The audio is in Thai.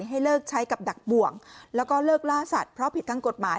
ให้เลิกใช้กับดักบ่วงแล้วก็เลิกล่าสัตว์เพราะผิดทั้งกฎหมาย